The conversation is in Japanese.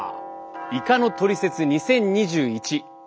「イカのトリセツ２０２１」